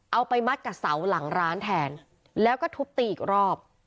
เอาไปมัดกับเสาหลังร้านแทนแล้วก็ทุบตีอีกรอบ